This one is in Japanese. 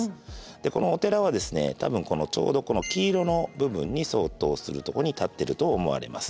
このお寺はですね多分このちょうどこの黄色の部分に相当するとこに建ってると思われます。